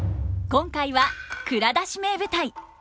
今回は「蔵出し！名舞台」。